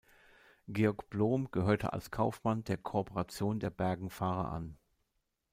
Georg Blohm gehörte als Kaufmann der Korporation der Bergenfahrer an.